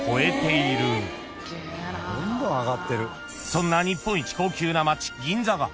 ［そんな日本一高級な街銀座が］